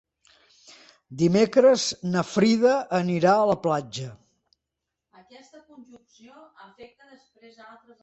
Dimecres na Frida anirà a la platja.